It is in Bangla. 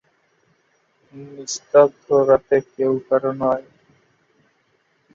এই চলচ্চিত্রের মাধ্যমে তানিয়া চলচ্চিত্র জগতে অভিষেক করেছেন।